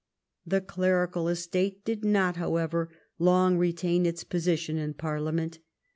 The clerical estate did not, however, long retain its position in parliament.